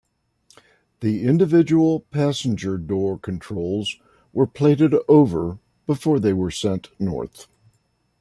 The individual passenger door controls were plated over before they were sent north.